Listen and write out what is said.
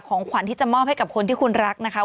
ของขวัญที่จะมอบให้กับคนที่คุณรักนะคะ